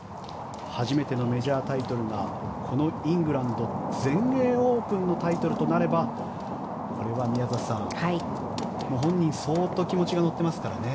初めてのメジャータイトルがこのイングランド全英オープンのタイトルとなればこれは宮里さん本人、相当気持ちが乗ってますからね。